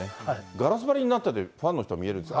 ガラス張りになっててファンの人見えるんです。